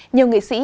nhiều nghệ sĩ